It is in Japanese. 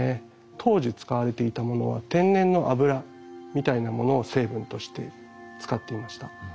当時使われていたものは天然の脂みたいなものを成分として使っていました。